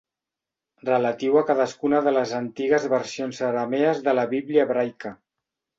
Relatiu a cadascuna de les antigues versions aramees de la Bíblia hebraica.